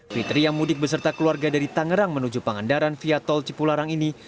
fitri yang mudik beserta keluarga dari tangerang menuju pangandaran via tol cipularang ini